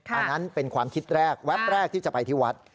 อันนั้นเป็นความคิดแรกแวบแรกที่จะไปที่วัด